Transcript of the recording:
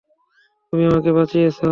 তুমি আমাকে বাঁচিয়েছ।